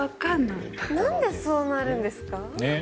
なんでそうなるんですか？